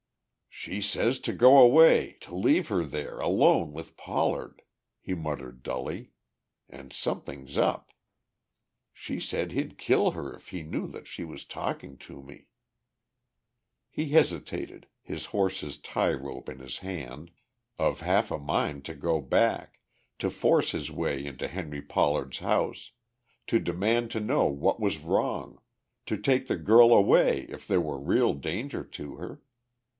"She says to go away, to leave her there alone with Pollard," he muttered dully. "And something's up. She said he'd kill her if he knew that she was talking to me..." He hesitated, his horse's tie rope in his hand, of half a mind to go back, to force his way into Henry Pollard's house, to demand to know what was wrong, to take the girl away if there were real danger to her.